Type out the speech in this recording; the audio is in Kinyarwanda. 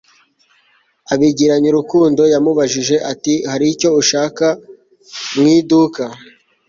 abigiranye urukundo yamubajije ati hari icyo ushaka mu iduka